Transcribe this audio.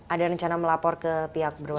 ada rencana melapor ke pihak berwenang